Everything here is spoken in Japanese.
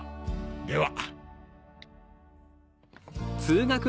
では。